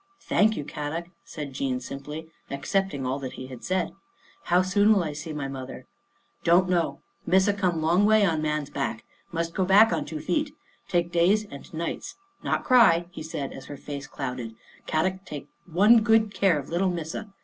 " Thank you, Kadok," said Jean simply, ac cepting all that he said. " How soon will I see my mother? "" Don't know. Missa come long way on man's back. Must go back on two feet. Take days and nights. Not cry," he said as her face clouded. " Kadok take one good care of little Missa.